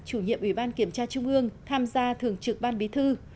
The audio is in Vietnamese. chủ nhiệm ủy ban kiểm tra trung ương tham gia thường trực ban bí thư